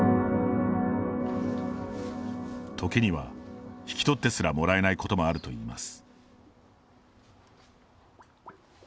時には、引き取ってすらもらえないこともあるといいます。